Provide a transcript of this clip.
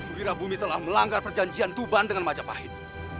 wirabumi telah melanggar perjanjian tuban dengan majapahit